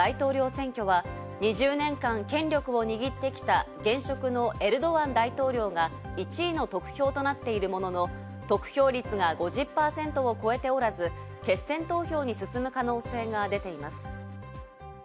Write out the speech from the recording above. １４日に行われたトルコの大統領選挙は２０年間、権力を握ってきた、現職のエルドアン大統領が１位の得票となっているものの、得票率が５０％を超えておらず、決選投票に進む可能性が出ています。